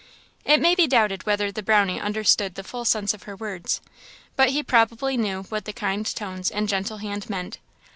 It may be doubted whether the Brownie understood the full sense of her words, but he probably knew what the kind tones and gentle hand meant.